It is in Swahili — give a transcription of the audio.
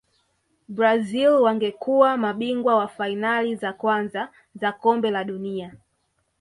brazil wangekuwa mabingwa wa fainali za kwanza za kombe la dunia